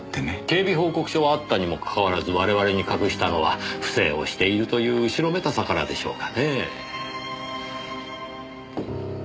警備報告書はあったにも関わらず我々に隠したのは不正をしているという後ろめたさからでしょうかねぇ。